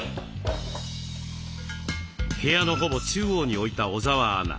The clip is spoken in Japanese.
部屋のほぼ中央に置いた小澤アナ。